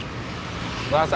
jadi nih benar benar nih